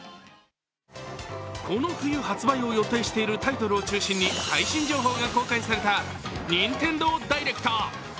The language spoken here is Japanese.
この冬発売を予定しているタイトルを中心に最新情報が公開されたＮｉｎｔｅｎｄｏＤｉｒｅｃｔ。